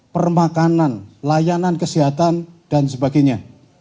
permakanan layanan kesehatan dan sebagainya